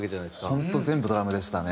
本当全部ドラムでしたね。